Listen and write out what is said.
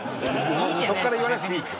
そこから言わなくていいです。